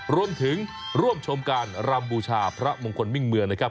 รวมถึงร่วมชมการรำบูชาพระมงคลมิ่งเมืองนะครับ